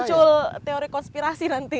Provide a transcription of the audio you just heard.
muncul teori konspirasi nanti